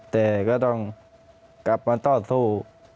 แต่ก็ต้องกลับมาต่อสู้